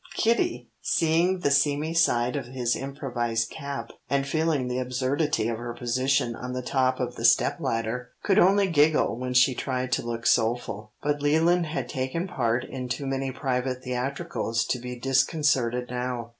Kitty, seeing the seamy side of his improvised cap, and feeling the absurdity of her position on the top of the step ladder, could only giggle when she tried to look soulful. But Leland had taken part in too many private theatricals to be disconcerted now.